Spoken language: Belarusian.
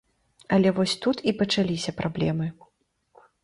Але вось тут і пачаліся праблемы.